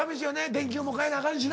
電球も替えなあかんしな。